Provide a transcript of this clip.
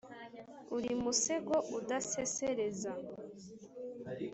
uri musego udasesereza